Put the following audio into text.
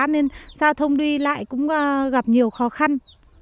nên giao thông đi lại cũng gặp nhiều khó khăn